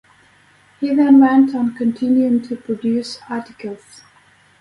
He then went on continuing to produce articles.